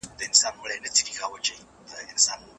په وزارتونو کي د فساد پر وړاندي هوډ پکار دی.